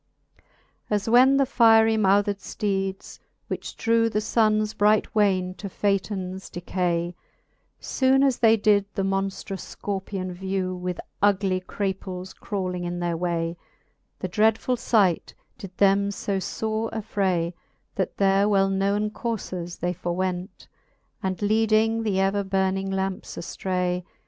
As when the firie mouthed fteeds, which drew The Sunnes bright wayne to Phaetons decay, Soone as they did the monftrous Scorpion vew, With ugly craples crawling in their way, The dreadfull fight did them fb ibre affray, That their well knowen courfes they forwent. And leading th'ever burning lampe aftray.